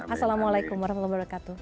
assalamualaikum wr wb